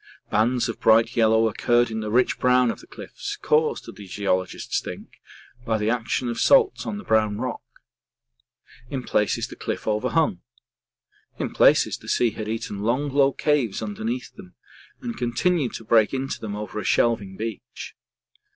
Bands of bright yellow occurred in the rich brown of the cliffs, caused, the geologists think, by the action of salts on the brown rock. In places the cliffs overhung. In places, the sea had eaten long low caves deep under them, and continued to break into them over a shelving beach.